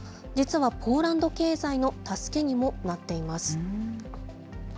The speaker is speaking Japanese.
実はポーランド経済の助けにもなっています。